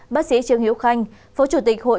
bác sĩ trương hiếu khanh phổ chủ tịch hội